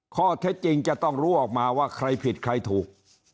ข้อเท็จจริงจะต้องรู้ออกมาว่าใครผิดใครถูก